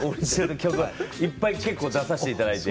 いっぱい結構出させていただいて。